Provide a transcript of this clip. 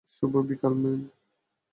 শুভ বিকাল, ম্যাম।